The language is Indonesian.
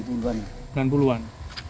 sebab apa pak